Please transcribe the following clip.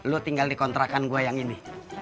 lo tinggal di kontrakan gue yang ini